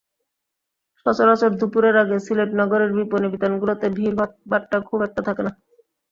সচরাচর দুপুরের আগে সিলেট নগরের বিপণিবিতানগুলোতে ভিড়বাট্টা খুব একটা থাকে না।